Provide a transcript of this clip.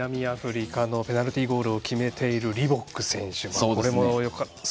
止めたのは南アフリカのペナルティーゴールを決めているリボック選手。